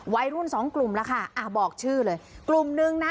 วัยรุ่นสองกลุ่มแล้วค่ะอ่าบอกชื่อเลยกลุ่มนึงนะ